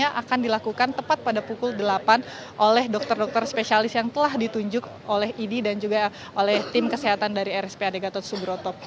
yang akan dilakukan tepat pada pukul delapan oleh dokter dokter spesialis yang telah ditunjuk oleh idi dan juga oleh tim kesehatan dari rspad gatot subroto